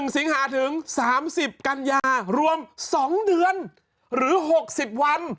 สิงหาถึง๓๐กันยารวม๒เดือนหรือ๖๐วัน